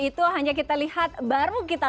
itu hanya kita lihat baru kita